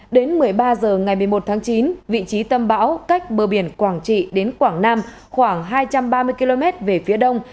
đến một mươi ba h ngày một mươi một tháng chín vị trí tâm bão cách bờ biển quảng trị đến quảng nam khoảng hai trăm ba mươi km về phía đông